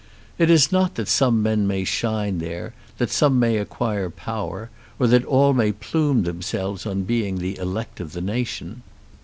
It is not that some men may shine there, that some may acquire power, or that all may plume themselves on being the elect of the nation.